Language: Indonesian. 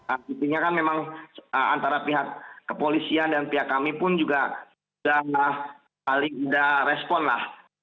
artinya kan memang antara pihak kepolisian dan pihak kami pun juga sudah paling ada respon lah